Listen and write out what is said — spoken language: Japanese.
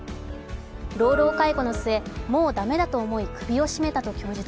老老介護の末、もう駄目だと思い、首を絞めたと供述。